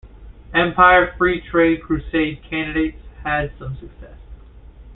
Empire Free Trade Crusade candidates had some success.